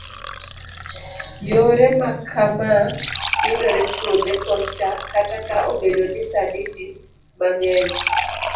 yore ma kamaa yudore kwonde posta, kata ka obedo ni sani ji mang'eny